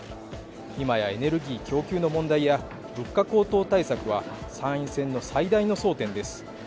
今やエネルギー供給の問題や物価高騰対策は参院選の最大の争点です。